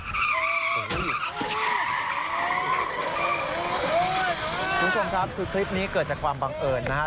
คุณผู้ชมครับคือคลิปนี้เกิดจากความบังเอิญนะฮะ